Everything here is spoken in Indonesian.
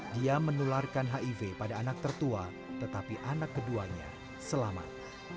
dia menularkan hiv pada anak tertua tetapi anak keduanya selamat